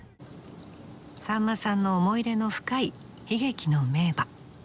さんまさんの思い入れの深い悲劇の名馬テンポイント。